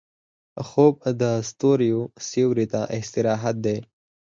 خوب د ستوريو سیوري ته استراحت دی